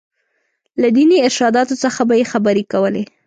له ديني ارشاداتو څخه به یې خبرې کولې.